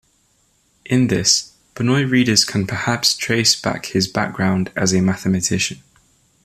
In this, Binoy readers can perhaps trace back his background as a Mathematician.